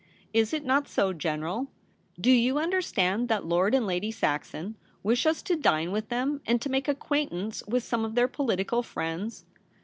* Is it not so, General ? Do you understand that Lord and Lady Saxon wish us to dine with them, and to make acquaintance with some of their political friends